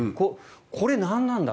これは何なんだ。